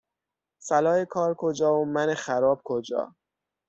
صلاح کار کجا و من خراب کجا